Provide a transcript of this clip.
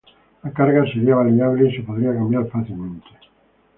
La carga sería variable y se podría cambiar fácilmente.